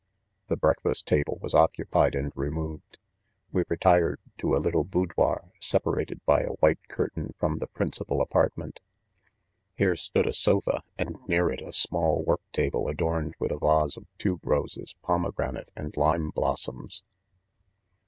The breakfast table was occupied and re moved. We retired to a little boudoir separa ted by a white curtain from the principal apart ment. Here stood a sofa, and near it a small work table, adorned with a vase of tuberoses, pomegranate and lime blossoms.